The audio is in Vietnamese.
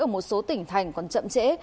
ở một số tỉnh thành còn chậm trễ